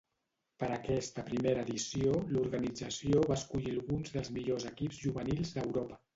Per aquesta primera edició l'organització va escollir alguns dels millors equips juvenils d'Europa.